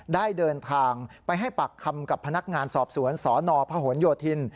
ได้เดินทางไปให้ปากคำกับพนักงานสอบสวนสนพหนโยธิน